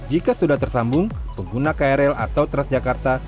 jika sudah tersambung pengguna krl atau tras jakarta